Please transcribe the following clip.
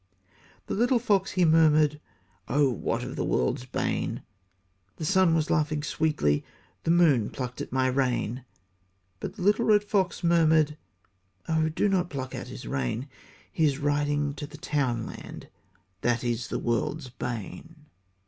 The little fox he murmured, "O what of the world's bane?" The sun was laughing sweetly, The moon plucked at my rein; But the little red fox murmured, "O, do not pluck at his rein, He is riding to the townland That is the world's bane."